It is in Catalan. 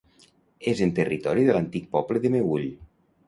És en territori de l'antic poble del Meüll.